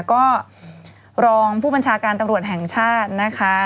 ก็รองผู้บัญชาการตำรวจแห่งชาตินะคะ